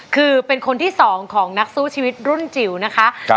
คือเป็นคนที่สองของนักสู้ชีวิตรุ่นจิ๋วนะคะ